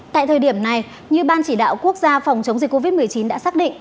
tại thời điểm này như ban chỉ đạo quốc gia phòng chống dịch covid một mươi chín đã xác định